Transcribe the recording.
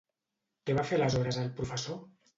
Què va fer aleshores el professor?